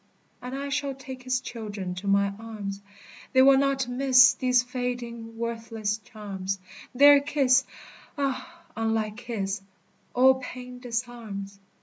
And I shall take his children to my arms; They will not miss these fading, worthless charms; Their kiss ah! unlike his all pain disarms.